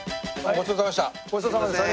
ごちそうさまでした。